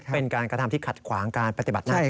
เป็นการกระทำที่ขัดขวางการปฏิบัติหน้าที่